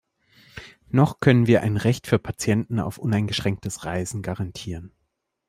Noch können wir ein Recht für Patienten auf uneingeschränktes Reisen garantieren.